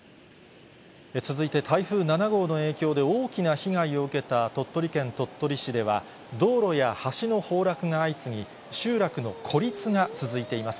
続いて台風７号の影響で大きな被害を受けた鳥取県鳥取市では、道路や橋の崩落が相次ぎ、集落の孤立が続いています。